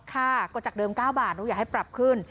ค่าก็จากเดิม๙บาทหนูอยากให้ปรับขึ้น